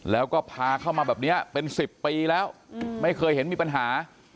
แล้วก็พาเข้ามาแบบนี้เป็น๑๐ปีแล้วไม่เคยเห็นมีปัญหา